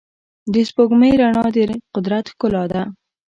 د سپوږمۍ رڼا د قدرت ښکلا ده.